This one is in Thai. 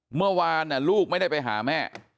เมื่อวานลูกไม่ได้ไปหาแม่